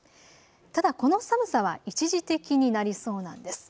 ただこの寒さは一時的になりそうなんです。